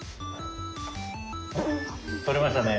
取れましたね。